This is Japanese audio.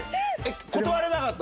断れなかった？